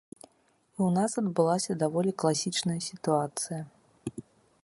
І ў нас адбылася даволі класічная сітуацыя.